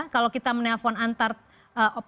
kalau kita menelpon antar opsi